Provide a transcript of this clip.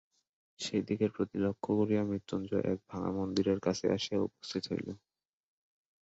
সেই দিকের প্রতি লক্ষ করিয়া মৃত্যুঞ্জয় এক ভাঙা মন্দিরের কাছে আসিয়া উপস্থিত হইল।